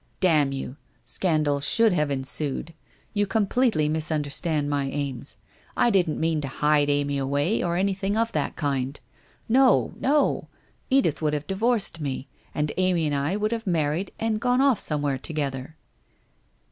1 Damn you, scandal should have ensued ! You com pletely misunderstand my aims. I didn't mean to hide Amy away, or anything of that kind. No, no! Edith would have divorced me, and Amy and I would have mar ried and gone off somewhere together.'